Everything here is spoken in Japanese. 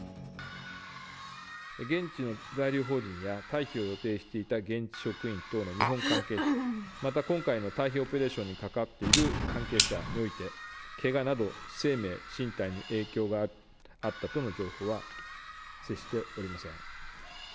現地の在留邦人や退避を予定していた現地職員等の日本関係者、また、今回の退避オペレーションに関わっている関係者において、けがなど生命、身体に影響があったとの情報は接しておりません。